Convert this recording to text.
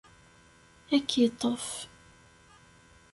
Ad k-iṭṭef.